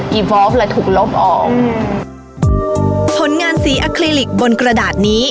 ที่จะเกิดและถูกลบออกอืมผลงานสีอัคลิลิกบนกระดาษนี้